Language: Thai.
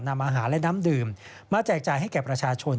นำอาหารและน้ำดื่มมาแจกจ่ายให้แก่ประชาชน